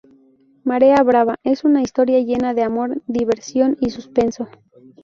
Marea Brava es una historia llena de amor, diversión y suspenso.